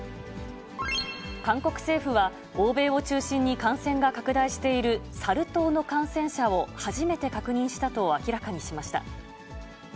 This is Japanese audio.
韓国政府は、欧米を中心に感染が拡大しているサル痘の感染者を初めて確認したと明らかにしました。